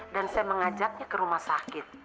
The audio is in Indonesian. dan saya mengajaknya ke rumah sakit